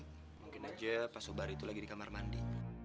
mungkin aja pas ubah hari itu lagi di kamar mandi